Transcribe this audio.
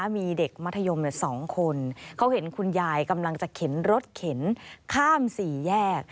มีเด็กมัธยม๒คนเขาเห็นคุณยายกำลังจะเข็นรถเข็นข้ามสี่แยก